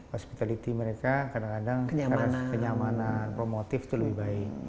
hospitality mereka kadang kadang kenyamanan promotif itu lebih baik